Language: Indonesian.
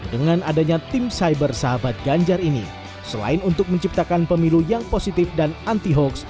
dengan adanya tim cyber sahabat ganjar ini selain untuk menciptakan pemilu yang positif dan anti hoax